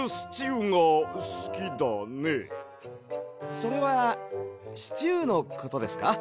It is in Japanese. それはシチューのことですか？